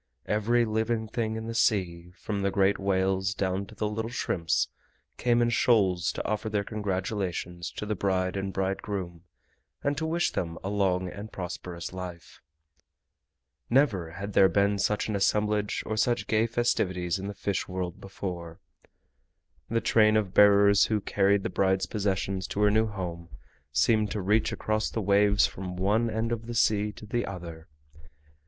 Every living thing in the sea, from the great whales down to the little shrimps, came in shoals to offer their congratulations to the bride and bridegroom and to wish them a long and prosperous life. Never had there been such an assemblage or such gay festivities in the Fish World before. The train of bearers who carried the bride's possessions to her new home seemed to reach across the waves from one end of the sea to the other.